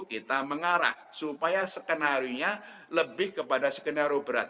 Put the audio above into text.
kita mengarah supaya skenarionya lebih kepada skenario berat